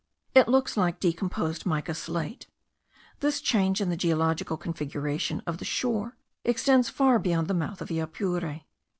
It looks like decomposed mica slate. This change in the geological configuration of the shore extends far beyond the mouth of the Apure.